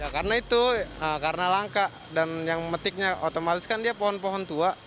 karena itu karena langka dan yang metiknya otomatis kan dia pohon pohon tua